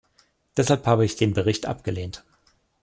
Deshalb habe ich den Bericht abgelehnt.